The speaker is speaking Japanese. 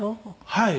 はい。